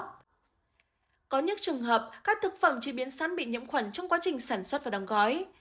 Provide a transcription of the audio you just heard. có nhất trường hợp các thực phẩm chi biến sẵn bị nhiễm khuẩn trong quá trình sản xuất và đóng gói